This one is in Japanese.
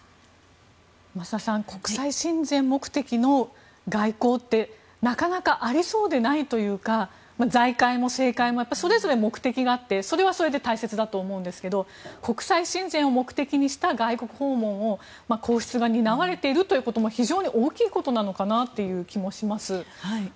増田さん国際親善目的の外交ってなかなかありそうでないというか財界も政界もそれぞれ目的があってそれはそれで大切だと思うんですが国際親善を目的にした外国訪問を皇室が担われているということも非常に大きいことなのかなという気がします。